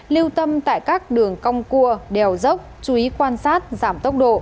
lưu tâm tại các đường cong cua đèo dốc chú ý quan sát giảm tốc độ